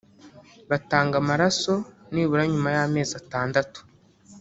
batanga amaraso nibura nyuma y’amezi atandatu